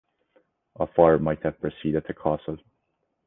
A farm might have preceded the castle.